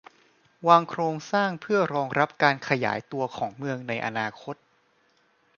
วางโครงสร้างเพื่อรองรับการขยายตัวของเมืองในอนาคต